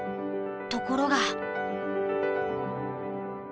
ところが。